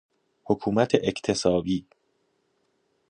حکومت اکتسابی